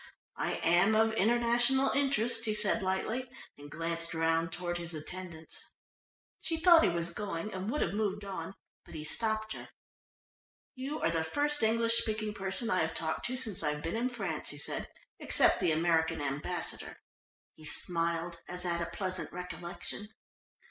"I am of international interest," he said lightly and glanced round toward his attendants. She thought he was going and would have moved on, but he stopped her. "You are the first English speaking person I have talked to since I've been in France," he said, "except the American Ambassador." He smiled as at a pleasant recollection.